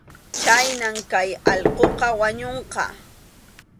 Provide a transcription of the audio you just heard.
Chhaynam kay allquqa wañunqa.